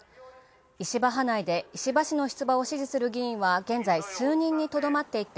石破派内で石橋の出馬を支持する議員は数人にとどまっていて、